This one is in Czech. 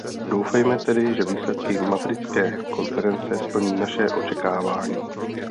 Doufejme tedy, že výsledky madridské konference splní naše očekávání.